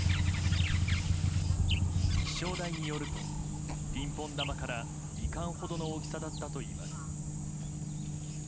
気象台によるとピンポン球からミカンほどの大きさだったといいます。